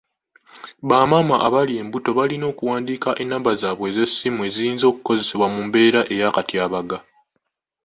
Bamaama abali embuto balina okuwandiika ennamba zaabwe ez'essimu eziyinza okukozesebwa mu mbeera y'akatyabaga.